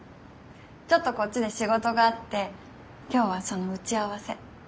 ちょっとこっちで仕事があって今日はその打ち合わせ。